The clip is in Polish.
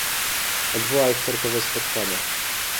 Odwołaj wtorkowe spotkanie.